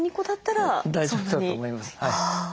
大丈夫だと思います。